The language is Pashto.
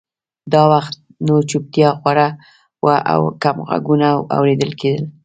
دا وخت نو چوپتیا خوره وه او کم غږونه اورېدل کېدل